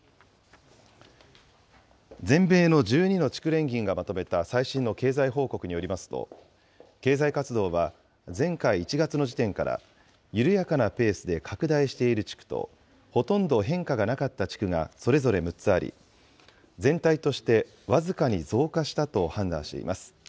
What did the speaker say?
全米の１２の地区連銀がまとめた最新の経済報告によりますと、経済活動は前回・１月の時点から緩やかなペースで拡大している地区と、ほとんど変化がなかった地区がそれぞれ６つあり、全体として僅かに増加したと判断しています。